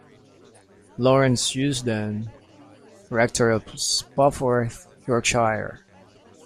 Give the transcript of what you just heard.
Laurence Eusden, rector of Spofforth, Yorkshire.